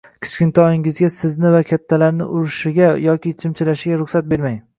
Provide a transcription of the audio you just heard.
Kichkintoyingizga sizni va kattalarni urishiga yoki chimchilashiga ruxsat bermang.